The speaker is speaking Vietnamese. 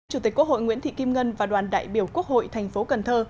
chủ tịch quốc hội nguyễn thị kim ngân và đoàn đại biểu quốc hội thành phố cần thơ